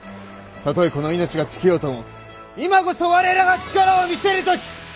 たとえこの命が尽きようとも今こそ我らが力を見せる時。